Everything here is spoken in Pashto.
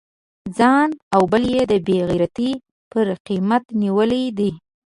ځان او بل یې د بې غیرتی پر قیمت نیولی دی.